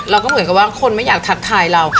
เราก็เหมือนกับว่าคนไม่อยากทักทายเรา